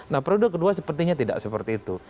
nah periode kedua sepertinya tidak seperti itu